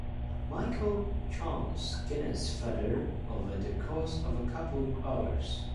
Michael charms Gina's father over the course of a couple hours.